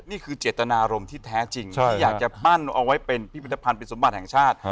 นี่คือเจตนารมณ์ที่แท้จริงที่อยากจะปั้นเอาไว้เป็นพิพิธภัณฑ์เป็นสมบัติแห่งชาติ